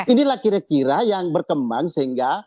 inilah kira kira yang berkembang sehingga